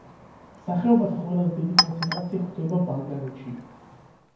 სახეობათა ყველაზე დიდი კონცენტრაცია გვხვდება ბალკანეთში.